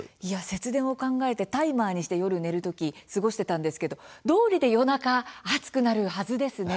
節電を考えてタイマーにして夜、寝るとき過ごしてたんですけどどうりで夜中熱くなるはずですね。